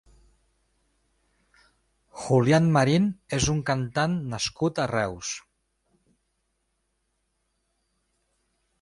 Julián Marin és un cantant nascut a Reus.